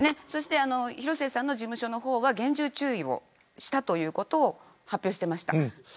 広末さんの事務所は厳重注意をしたということを発表していました。